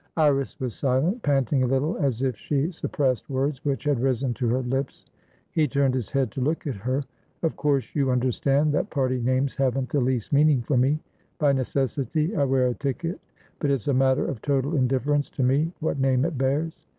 Iris was silent, panting a little as if she suppressed words which had risen to her lips. He turned his head to look at her. "Of course you understand that party names haven't the least meaning for me. By necessity, I wear a ticket, but it's a matter of total indifference to me what name it bears.